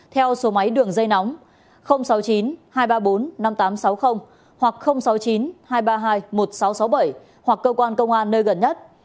theo số máy đường dây nóng sáu mươi chín hai trăm ba mươi bốn năm nghìn tám trăm sáu mươi hoặc sáu mươi chín hai trăm ba mươi hai một nghìn sáu trăm sáu mươi bảy hoặc cơ quan công an nơi gần nhất